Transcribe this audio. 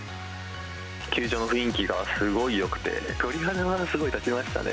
球場の雰囲気がすごいよくて、鳥肌がすごい立ちましたね。